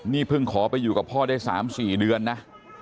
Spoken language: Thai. นี่เพิ่งขอไปอยู่กับพ่อได้๓๔เดือนนะ